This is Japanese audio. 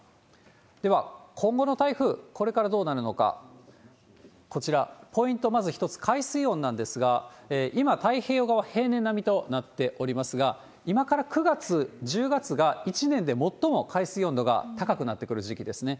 では、今後の台風、これからどうなるのか、こちら、ポイント、まず一つ、海水温なんですが、今、太平洋側、平年並みとなっておりますが、今から９月、１０月が一年で最も海水温度が高くなってくる時期ですね。